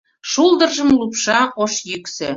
Шулдыржым лупша ош йӱксӧ